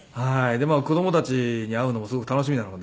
で子供たちに会うのもすごく楽しみなので。